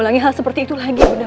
jangan kecewa seperti itu lagi bunda